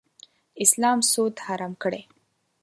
اسلام سود حرام کړی.